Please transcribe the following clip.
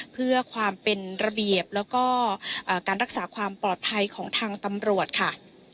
เพื่อความเป็นระเบียบแล้วก็การรักษาความปลอดภัยของทางตำรวจค่ะ